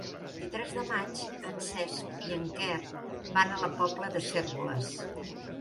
El vint-i-tres de maig en Cesc i en Quer van a la Pobla de Cérvoles.